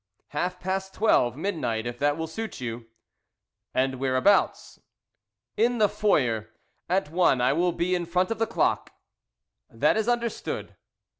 "Half past twelve midnight, if that will suit you." "And whereabouts?" "In the foyer at one, I will be in front of the clock." "That is understood."